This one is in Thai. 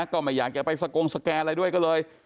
ก็ไม่อยากจะไปสกงสแกนอะไรด้วยก็เลย